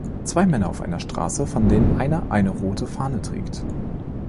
Zwei Männer auf einer Straße, von denen einer eine rote Fahne trägt.